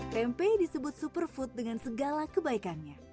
tempe disebut superfood dengan segala kebaikannya